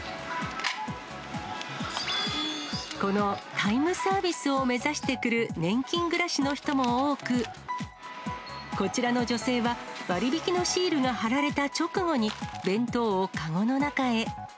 このタイムサービスを目指してくる年金暮らしの人も多く、こちらの女性は、割引のシールが貼られた直後に、弁当を籠の中へ。